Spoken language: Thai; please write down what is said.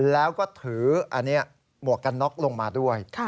แล้วก็ถืออันนี้หมวกกันน็อกลงมาด้วย